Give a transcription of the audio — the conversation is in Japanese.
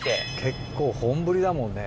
結構本降りだもんね。